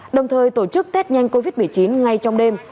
đồng thời tổ chức tết nhanh covid một mươi chín ngay trong đêm